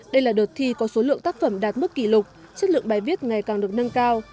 đây là đợt thi có số lượng tác phẩm đạt mức kỷ lục chất lượng bài viết ngày càng được nâng cao